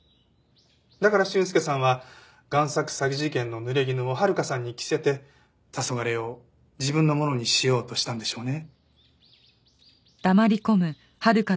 だから俊介さんは贋作詐欺事件の濡れ衣を温香さんに着せて『黄昏』を自分のものにしようとしたんでしょうね。